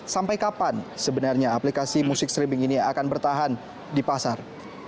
sampai kapan sebenarnya aplikasi musik streaming ini akan bertahan di pasar